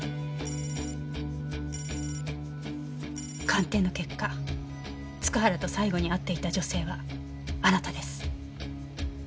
鑑定の結果塚原と最後に会っていた女性はあなたです。